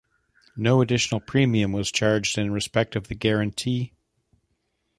No additional premium was charged in respect of the guarantee.